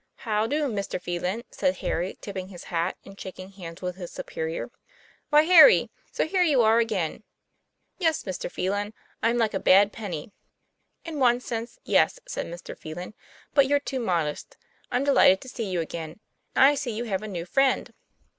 " Howdo, Mr. Phelan," said Harry, tipping his hat and shaking hands with his superior. "Why, Harry! So here you are again." "Yes, Mr. Phelan, I'm like a bad penny." "In one sense, yes, "said Mr. Phelan; 'but you're too modest. I'm delighted to see you again. And I see you have a new friend.